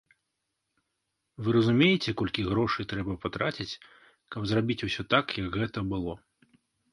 Вы разумееце, колькі грошай трэба патраціць, каб зрабіць усё так, як гэта было?!